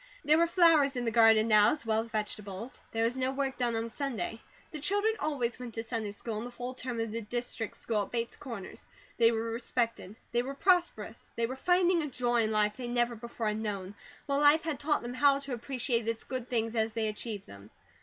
There were flowers in the garden now, as well as vegetables. There was no work done on Sunday. The children always went to Sunday school and the full term of the District School at Bates Corners. They were respected, they were prosperous, they were finding a joy in life they never before had known, while life had taught them how to appreciate its good things as they achieved them.